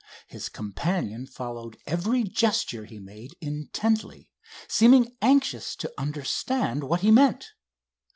His companion followed every gesture he made intently, seeming anxious to understand what he meant.